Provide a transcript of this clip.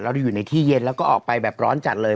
อยู่ในที่เย็นแล้วก็ออกไปแบบร้อนจัดเลย